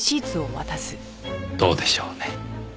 どうでしょうね。